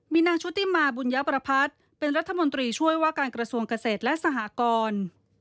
มีนางชุติมาบุญญประพัฒน์เป็นรัฐมนตรีช่วยว่าการกระทรวงเกษตรและสหกร